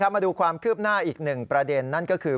มาดูความคืบหน้าอีกหนึ่งประเด็นนั่นก็คือ